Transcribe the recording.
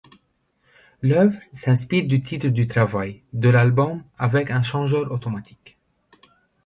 L'œuvre s'inspire du titre de travail de l'album avec un changeur automatique.